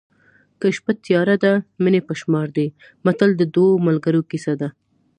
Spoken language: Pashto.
که شپه تیاره ده مڼې په شمار دي متل د دوو ملګرو کیسه ده